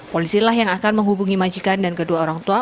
polisilah yang akan menghubungi majikan dan kedua orang tua